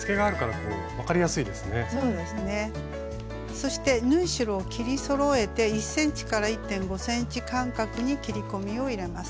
そして縫い代を切りそろえて１ｃｍ１．５ｃｍ間隔に切り込みを入れます。